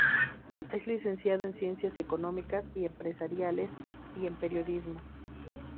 Es licenciado en Ciencias Económicas y Empresariales y en Periodismo.